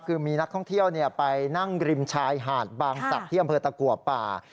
คือมีนักท่องเที่ยวไปนั่งริมชายหาดบางศักดิ์ที่อำเภอตะกัวป่า